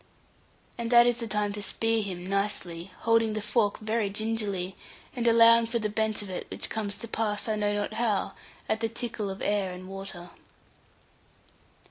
And that is the time to spear him nicely, holding the fork very gingerly, and allowing for the bent of it, which comes to pass, I know not how, at the tickle of air and water.